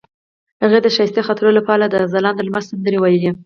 هغې د ښایسته خاطرو لپاره د ځلانده لمر سندره ویله.